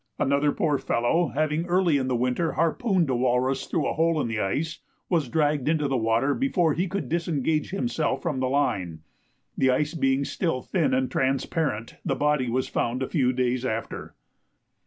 Another poor fellow having early in the winter harpooned a walrus through a hole in the ice, was dragged into the water before he could disengage himself from the line. The ice being still thin and transparent, the body was found a few days after.